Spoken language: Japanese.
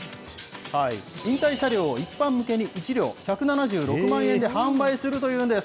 引退車両を一般向けに、１両１７６万円で販売するというんです。